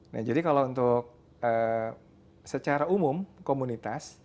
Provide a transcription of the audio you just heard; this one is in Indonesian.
nah jadi kalau untuk secara umum komunitas